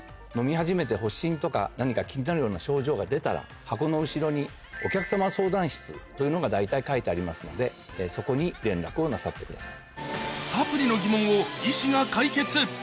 もし。とか何か気になるような症状が出たら箱の後ろにお客様相談室というのが大体書いてありますのでそこに連絡をなさってください。